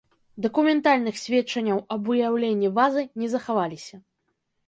Дакументальных сведчанняў аб выяўленні вазы не захавалася.